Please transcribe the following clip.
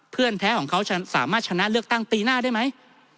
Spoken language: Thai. แท้ของเขาจะสามารถชนะเลือกตั้งปีหน้าได้ไหม